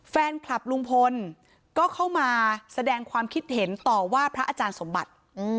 แฟนคลับลุงพลก็เข้ามาแสดงความคิดเห็นต่อว่าพระอาจารย์สมบัติ